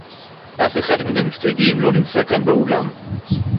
אף אחד מן המסתייגים לא נמצא כאן באולם